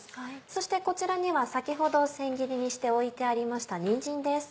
そしてこちらには先ほど千切りにして置いてありましたにんじんです。